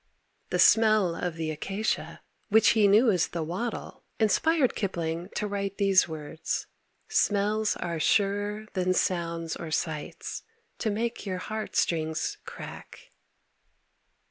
The smell of the acacia, which he knew as the wattle, inspired Kipling to write those words "Smells are surer than sounds or sights To make your heart strings crack."